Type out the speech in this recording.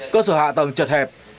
cơ sở hạ tầng chật hẹp